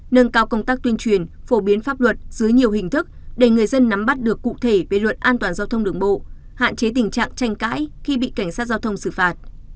nâng cao công tác tuyên truyền phổ biến pháp luật dưới nhiều hình thức để người dân nắm bắt được cụ thể về luật an toàn giao thông đường bộ hạn chế tình trạng tranh cãi khi bị cảnh sát giao thông xử phạt